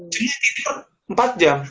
jadinya tidur empat jam